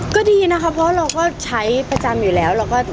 ก็ดีนะคะเพราะเราก็ใช้ประจำอยู่แล้ว